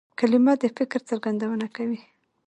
کلیمه د فکر څرګندونه کوي.